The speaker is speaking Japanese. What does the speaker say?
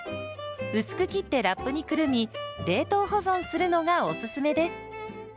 薄く切ってラップにくるみ冷凍保存するのがおすすめです。